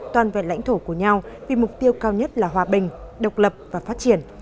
toàn vẹn lãnh thổ của nhau vì mục tiêu cao nhất là hòa bình độc lập và phát triển